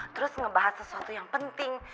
terus ngebahas sesuatu yang penting